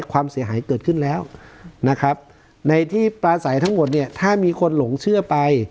ความเสียหายเกิดขึ้นแล้วนะครับในที่ปลาใสทั้งหมดเนี่ยถ้ามีคนหลงเชื่อไป